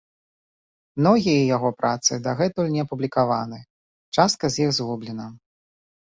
Многія яго працы дагэтуль не апублікаваны, частка з іх згублена.